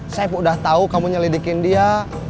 saeb udah tau kamu nyelidikin dia